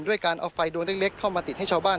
ด้วยการเอาไฟดวงเล็กเข้ามาติดให้ชาวบ้าน